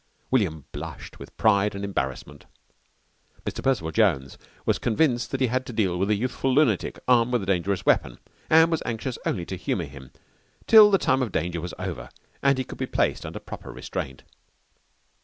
William blushed with pride and embarrassment. Mr. Percival Jones was convinced that he had to deal with a youthful lunatic, armed with a dangerous weapon, and was anxious only to humour him till the time of danger was over and he could be placed under proper restraint.